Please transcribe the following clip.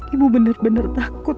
ibu bener bener takut